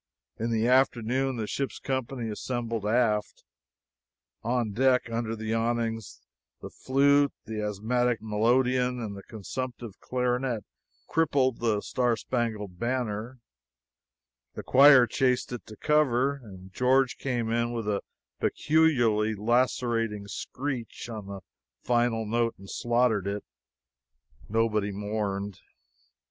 In the afternoon the ship's company assembled aft, on deck, under the awnings; the flute, the asthmatic melodeon, and the consumptive clarinet crippled "The Star Spangled Banner," the choir chased it to cover, and George came in with a peculiarly lacerating screech on the final note and slaughtered it. Nobody mourned.